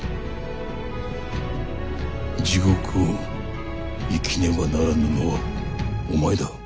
地獄を生きねばならぬのはお前だ。